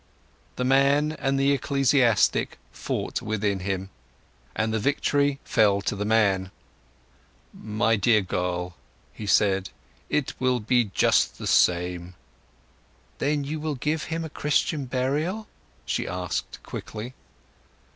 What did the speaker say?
The man and the ecclesiastic fought within him, and the victory fell to the man. "My dear girl," he said, "it will be just the same." "Then will you give him a Christian burial?" she asked quickly.